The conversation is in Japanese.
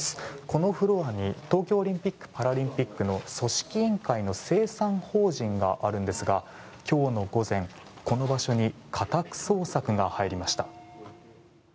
このフロアに東京オリンピック・パラリンピックの組織委員会の清算法人があるんですが今日の午前、この場所に家宅捜索が入りました。